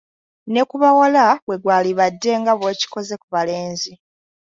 Ne ku bawala bwe gwalibadde nga bw'okikoze ku balenzi!